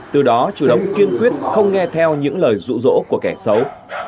từ đó chủ động kiên quyết không nghe theo những lời rụ rỗ của kẻ xấu